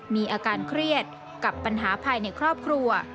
มีอาการเครียดกับปัญหาภายในครอบครัว